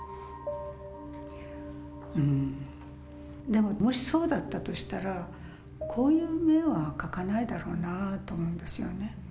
でももしそうだったとしたらこういう目は描かないだろうなあと思うんですよね。